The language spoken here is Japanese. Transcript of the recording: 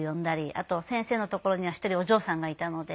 あと先生のところには１人お嬢さんがいたので。